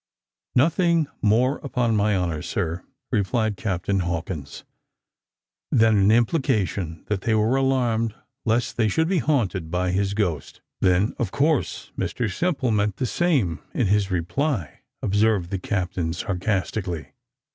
"Nothing more upon my honour, sir," replied Captain Hawkins, "than an implication that they were alarmed lest they should be haunted by his ghost." "Then, of course, Mr Simple meant the same in his reply," observed the captain sarcastically.